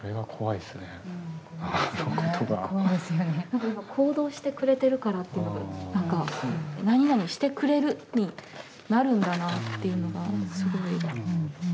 なんか今行動してくれてるからっていうのがなんか「なになにしてくれる」になるんだなっていうのがすごい。